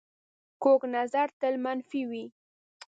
کوږ نظر تل منفي وي